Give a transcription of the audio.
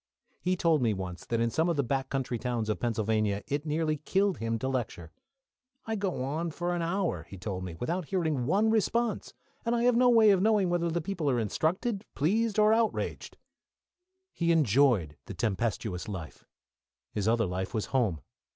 He told me once that in some of the back country towns of Pennsylvania it nearly killed him to lecture. "I go on for an hour," he told me, "without hearing one response, and I have no way of knowing whether the people are instructed, pleased, or outraged." He enjoyed the tempestuous life. His other life was home.